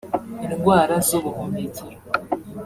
indwara z’ubuhumekero